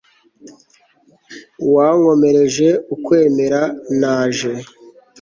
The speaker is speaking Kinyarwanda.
wankomereje ukwemera, naje